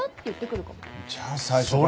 じゃあ最初から。